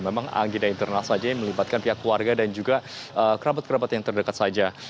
memang agenda internal saja yang melibatkan pihak keluarga dan juga kerabat kerabat yang terdekat saja